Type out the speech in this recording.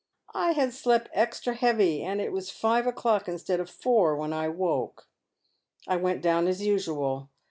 I had slep' extra heavy, and it was five o'clock instead of four when I woke. I went down as usual.